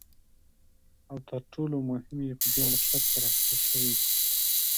But it is wrong over the real numbers, since the series does not converge.